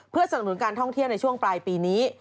เพื่อสนับสนุนการท่องเที่ยวในช่วงปลายปีนี้